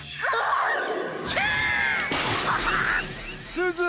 すず！